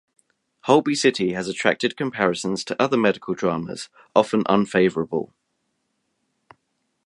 "Holby City" has attracted comparisons to other medical dramas, often unfavourable.